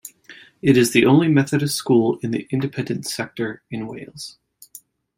It is the only Methodist school in the independent sector in Wales.